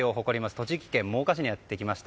栃木県真岡市にやってきました。